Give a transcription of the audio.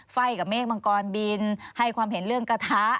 ไฟ่กับเมฆมังกรบินให้ความเห็นเรื่องกระทะ